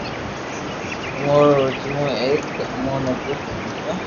او اي رو وجھ مون ڪو امون نو گفٽ مڪتا